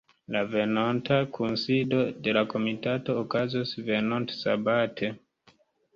La venonta kunsido de la komitato okazos venontsabate.